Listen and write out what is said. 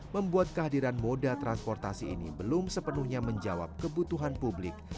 membuat kehadiran moda transportasi ini belum sepenuhnya menjawab kebutuhan publik